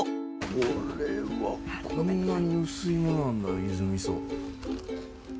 これはこんなに薄いものなんだゆずみそ。